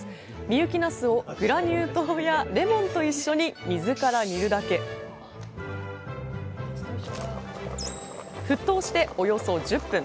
深雪なすをグラニュー糖やレモンと一緒に水から煮るだけ沸騰しておよそ１０分。